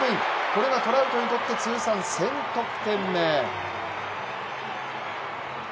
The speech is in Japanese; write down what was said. これがトラウトにとって通算１０００得点目。